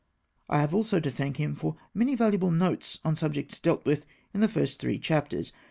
I have also to thank him for many valuable notes on subjects dealt with in the first three chapters.